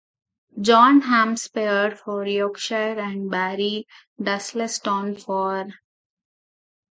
John Hampshire for Yorkshire and Barry Dudleston for Leicestershire.